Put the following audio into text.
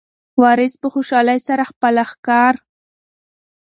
وارث په خوشحالۍ سره خپله ښکار راوړ.